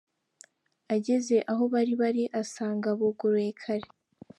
Ageze aho bari bari asanga bogoroye kare.